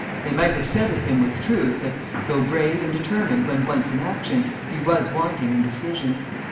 They might have said of him with truth, that, though brave and determined when once in action, he was wanting in decision.